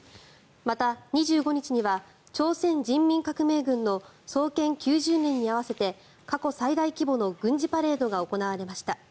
また、２５日には朝鮮人民革命軍の創建９０年に合わせて過去最大規模の軍事パレードが行われました。